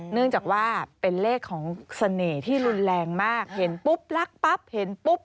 เนื่องจากว่าเป็นเลขของเสน่ห์ที่รุนแรงมากเห็นปุ๊บรักปั๊บเห็นปุ๊บ